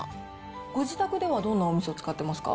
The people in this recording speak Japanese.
ご自宅ではどんなおみそ使ってますか？